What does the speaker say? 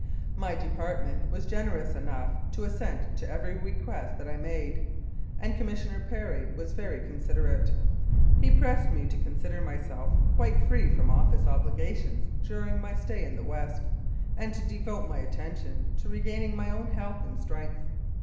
My department was generous enough to assent to every request that I made, and Commissioner Perry was very considerate. He pressed me to consider myself quite free from office obligations during my stay in the West, and to devote my attention to regaining my own health and strength.